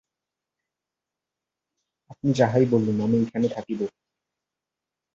আপনি যাহাই বলুন, আমি এইখানেই থাকিব।